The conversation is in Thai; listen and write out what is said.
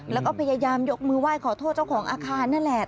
แล้วก็พยายามยกมือไหว้ขอโทษเจ้าของอาคารนั่นแหละ